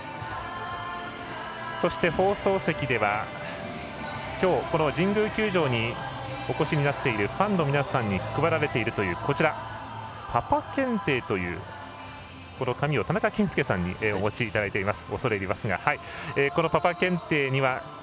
そして放送席ではきょう、この神宮球場にお越しになっているファンの皆さんに配られているというパパ検定というこの紙を田中賢介さんにお持ちいただいています。